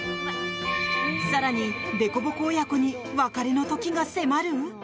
更にでこぼこ親子に別れの時が迫る？